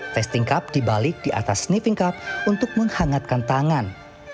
testing cup dibalik di atas sniffing cup untuk menghangatkan tangan